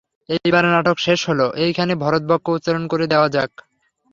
এইবারে নাটক শেষ হল– এইখানে ভরতবাক্য উচ্চারণ করে দেওয়া যাক।